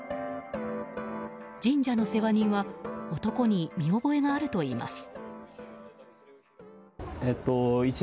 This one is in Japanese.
神社の世話人は男に見覚えがあるといいます。